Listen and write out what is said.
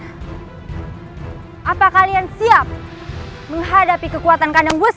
hai apa kalian siap menghadapi kekuatan kandang wesi